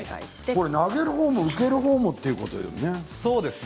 これは投げるほうも受けるほうもということですよね。